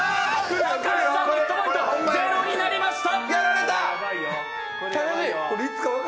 高橋さんのヒットポイント０になりました。